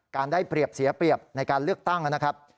ได้เปรียบเสียเปรียบในการเลือกตั้งนะครับ